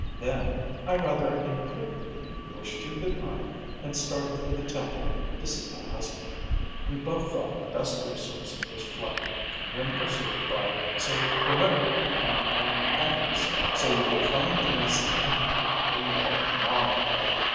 Then I, rather imprudently, wished you good night, and started for the Temple to see my husband. “We both thought the best resource was flight, when pursued by so formidable an antagonist; so you will find the nest empty when you call to morrow.